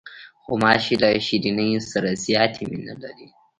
غوماشې له شیرینیو سره زیاتې مینې لري.